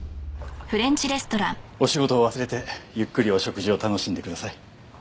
お仕事を忘れてゆっくりお食事を楽しんでください。